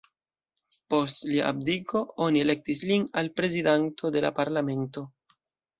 Post lia abdiko, oni elektis lin al prezidanto de la parlamento.